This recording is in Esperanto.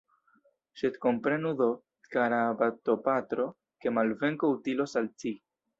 Sed komprenu do, kara baptopatro, ke malvenko utilos al ci.